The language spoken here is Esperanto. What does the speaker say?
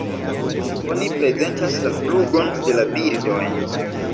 Oni prezentas la flugon de la birdoj.